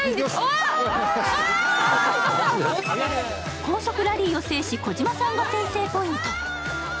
高速ラリーを制し、児嶋さんが先制ポイント。